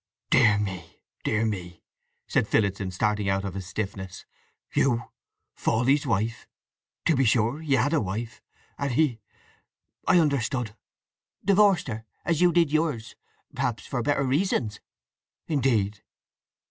"Dear me, dear me," said Phillotson, starting out of his stiffness. "You Fawley's wife? To be sure—he had a wife! And he—I understood—" "Divorced her—as you did yours—perhaps for better reasons." "Indeed?"